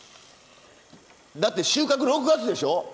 だって収穫６月でしょ？